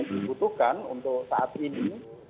dibutuhkan untuk saat ini